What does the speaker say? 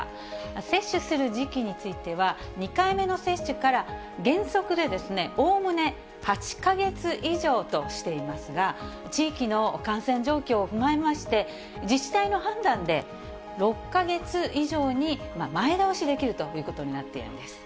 接種する時期については、２回目の接種から原則でおおむね８か月以上としていますが、地域の感染状況を踏まえまして、自治体の判断で、６か月以上に前倒しできるということになっているんです。